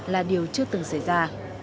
là điều chưa từng xảy ra